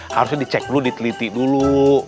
harusnya dicek dulu diteliti dulu